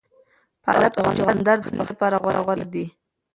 پالک او چغندر د پخلي لپاره غوره دي.